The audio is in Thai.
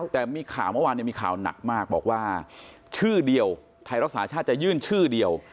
แต่มีข่าวเมื่อวานมีข่าวหนักมากบอกว่าชื่อเดียวไทยรักษาชาติจะยื่นชื่อเดียว